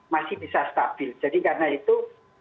masih bisa stabil jadi karena itu